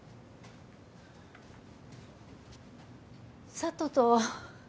佐都と。